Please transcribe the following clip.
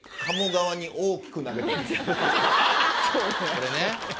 これね。